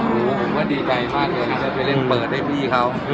ผมก็ดีใจมากเลยอาจจะไปเล่นเปิดให้พี่เขา